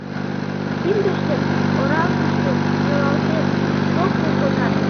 Киндыштым, оралтыштым йӱлалтен, локтыл кодат...